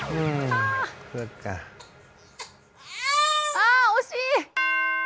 あ惜しい！